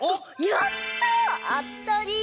やった！あたり！